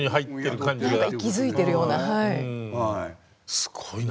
すごいな。